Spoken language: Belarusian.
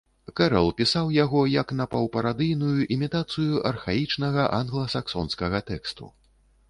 Кэрал пісаў яго як напаўпарадыйную імітацыю архаічнага англа-саксонскага тэксту.